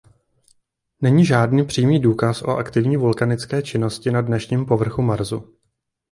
Není žádný přímý důkaz o aktivní vulkanické činnosti na dnešním povrchu Marsu.